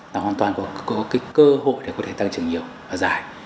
là hoàn toàn có cái cơ hội để có thể tăng trưởng nhiều và dài